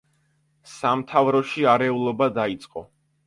სამთავროში არეულობა დაიწყო.